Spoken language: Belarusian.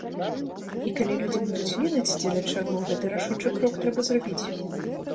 І калі людзі будуць ведаць, дзеля чаго гэты рашучы крок трэба зрабіць.